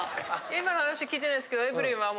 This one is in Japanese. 今の話は聞いてないですけど。